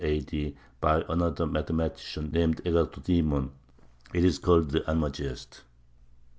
by another mathematician named Agathodæmon. It is called the Almagest.